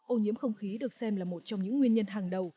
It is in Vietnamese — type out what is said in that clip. ô nhiễm không khí được xem là một trong những nguyên nhân hàng đầu